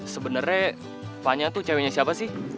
sebenernya vanya tuh ceweknya siapa sih